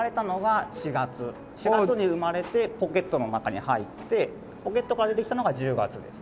４月に生まれてポケットの中に入ってポケットから出てきたのが１０月です。